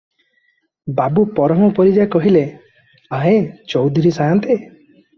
ବାବୁ ପରମ ପରିଜା କହିଲେ, "ଆହେ ଚୌଧୁରୀ ସାନ୍ତେ!